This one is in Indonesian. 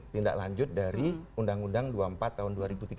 tindak lanjut dari undang undang dua puluh empat tahun dua ribu tiga belas